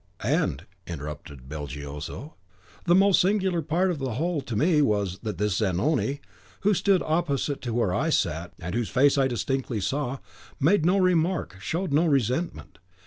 "And," interrupted Belgioso, "the most singular part of the whole to me was, that this Zanoni, who stood opposite to where I sat, and whose face I distinctly saw, made no remark, showed no resentment.